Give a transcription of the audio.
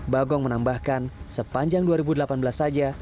bagong menambahkan sepanjang dua ribu delapan belas saja